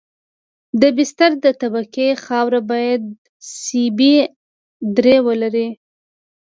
د بستر د طبقې خاوره باید سی بي ار درې ولري